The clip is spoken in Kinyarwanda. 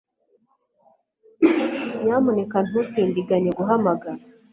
Nyamuneka ntutindiganye guhamagara